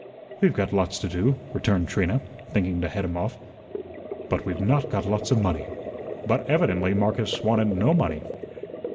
"We've got lots to do," returned Trina, thinking to head him off, "but we've not got lots of money." But evidently Marcus wanted no money.